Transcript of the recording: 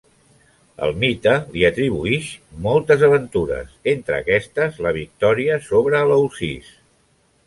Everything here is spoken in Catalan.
El mite li atribuïx moltes aventures, entre aquestes la victòria sobre Eleusis.